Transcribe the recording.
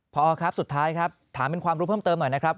พ่ออค้าสุดท้ายถามเป็นความรู้เพิ่มเติมหน่อย